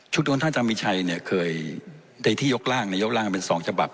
ชุดลงท่านจังมิชัยเนี่ยเคยในที่ยกล่างยกล่างเป็นสองฉบับ